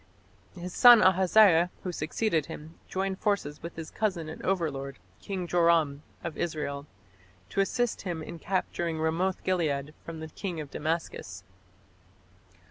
His son Ahaziah, who succeeded him, joined forces with his cousin and overlord, King Joram of Israel, to assist him in capturing Ramoth gilead from the king of Damascus.